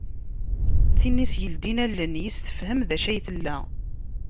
Tin i as-yeldin allen, yis-s tefhem d acu ay tella.